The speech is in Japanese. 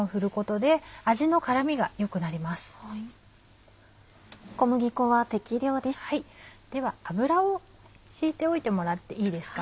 では油を引いておいてもらっていいですか。